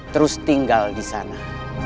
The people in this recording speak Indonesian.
terus tinggal disana